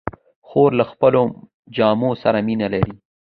خور له خپلو جامو سره مینه لري.